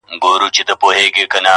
دُرانیډک له معناوو لوی انسان دی